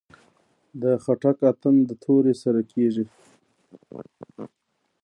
د خټک اتن د تورې سره کیږي.